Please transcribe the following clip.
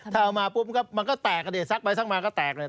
ถ้าเอามาปุ๊บมันก็แตกสักไปสักมาก็แตกเลย